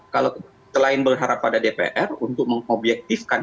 kalau selain berharap pada dpr untuk mengobjektifkan